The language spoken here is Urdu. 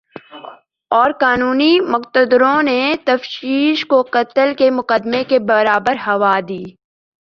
اور قانونی مقتدروں نے تفتیش کو قتل کے مقدمے کے برابر ہوا دی